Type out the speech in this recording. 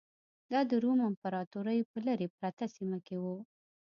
دا د روم امپراتورۍ په لرې پرته سیمه کې و